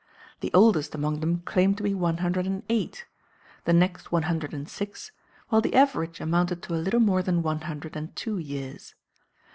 The oldest among them claimed to be one hundred and eight, the next one hundred and six, while the average amounted to a little more than one hundred and two years.